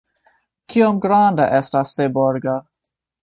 Kiom granda estas Seborgo?